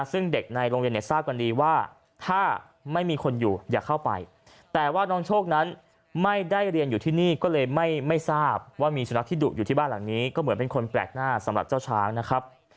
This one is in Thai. ซึ่งเด็กในโรงเรียนเนี่ยทราบกันดีว่าถ้าไม่มีคนอยู่อย่าเข้าไปแต่ว่าน้องโชคนั้นไม่ได้เรียนอยู่ที่นี่ก็เลยไม่ทราบว่ามีสุนัขที่ดุอยู่ที่บ้านหลังนี้ก็เหมือนเป็นคนแปลกหน้าสำหรับเจ้าช้างนะครับ